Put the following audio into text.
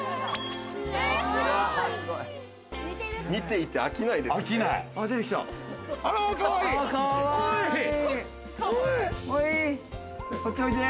見ていて飽きないですね。